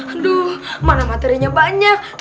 aduh mana materinya banyak